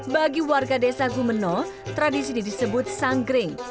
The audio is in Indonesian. bagi warga desa gumenu tradisi ini disebut sanggering